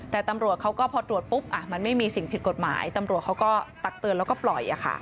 แต่ตำรวจเขาก็พอตรวจปุ๊บมันไม่มีสิ่งผิดกฎหมายตำรวจเขาก็ตักเตือนแล้วก็ปล่อย